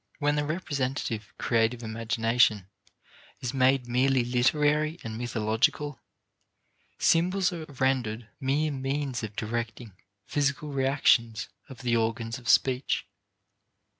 When the representative creative imagination is made merely literary and mythological, symbols are rendered mere means of directing physical reactions of the organs of speech.